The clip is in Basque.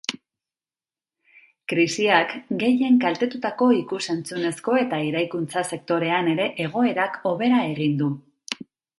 Krisiak gehien kaltetutako ikus entzunezko eta eraikuntza sektorean ere egoerak hobera egin du.